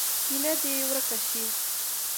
کینه دې ورک شي.